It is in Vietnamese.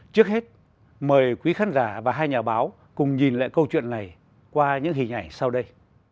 trước hết mời quý khán giả và hai nhà báo cùng nhìn lại câu chuyện này qua những hình ảnh sau đây